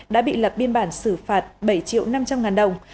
đã bị lập biên bản xử phạt bảy triệu năm trăm linh ngàn đồng